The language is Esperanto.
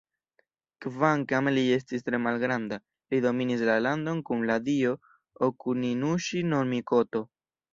Kvankam li estis tre malgranda, li dominis la landon kun la dio Okuninuŝi-no-mikoto.